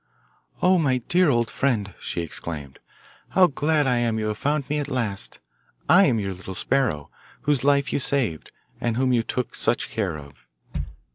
'Oh, my dear old friend,' she exclaimed, 'how glad I am you have found me at last! I am your little sparrow, whose life you saved, and whom you took such care of.